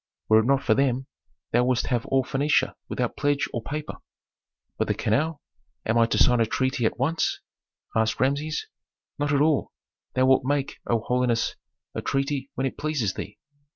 Were it not for them, thou wouldst have all Phœnicia without pledge or paper." "But the canal? Am I to sign a treaty at once?" asked Rameses. "Not at all. Thou wilt make, O holiness, a treaty when it pleases thee."